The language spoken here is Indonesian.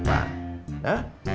itu pasti orang bayarannya